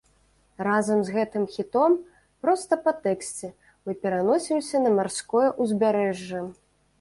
Разам з гэтым хітом, проста па тэксце, мы пераносімся на марское ўзбярэжжа.